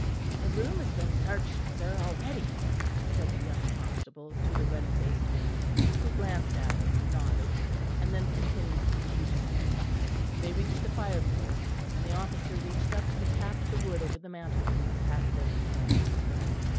"The room has been searched, sir, already," said the young constable to the ruddy faced man, who glanced at him and nodded, and then continued the scrutiny. They reached the fireplace and the officer reached up and tapped the wood over the mantelpiece half a dozen times.